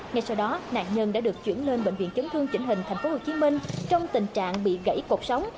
ngay sau đó nạn nhân đã được chuyển lên bệnh viện chấn thương chỉnh hình tp hcm trong tình trạng bị gãy cột sống